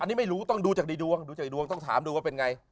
อันนี้ไม่รู้ต้องดูจากดีดวงต้องถามดูว่าเป็นไง